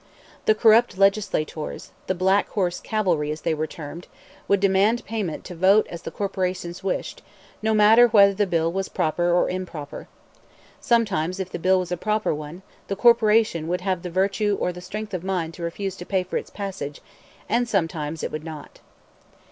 The corrupt legislators, the "black horse cavalry," as they were termed, would demand payment to vote as the corporations wished, no matter whether the bill was proper or improper. Sometimes, if the bill was a proper one, the corporation would have the virtue or the strength of mind to refuse to pay for its passage, and sometimes it would not.